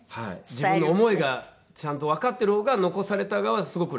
自分の思いがちゃんとわかってる方が残された側はすごく楽でしたね。